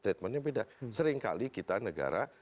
treatmentnya beda seringkali kita negara